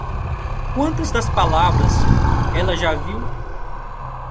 Quantas das palavras ela já viu?